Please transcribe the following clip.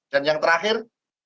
dan yang terakhir